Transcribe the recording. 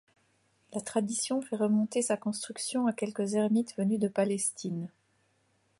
La tradition fait remonter sa construction à quelques ermites venus de Palestine.